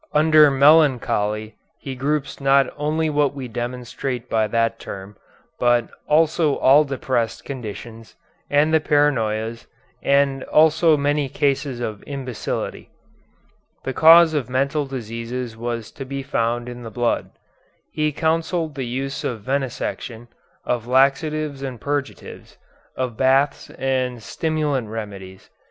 Under melancholy he groups not only what we denominate by that term, but also all depressed conditions, and the paranoias, as also many cases of imbecility. The cause of mental diseases was to be found in the blood. He counselled the use of venesection, of laxatives and purgatives, of baths and stimulant remedies.